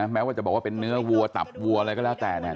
แม้ว่าจะบอกว่าเป็นเนื้อวัวตับวัวอะไรก็แล้วแต่เนี่ย